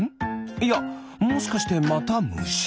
いやもしかしてまたむし？